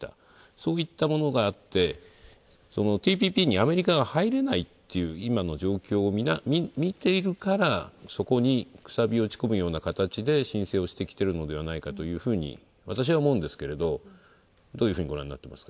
そういったものがあってＴＰＰにアメリカが入れないっていう今の状況を見ているからそこにくさびを打ちこむような形で申請をしてきているのではないかと私は思うんですけれど、どういうふうにご覧になってますか？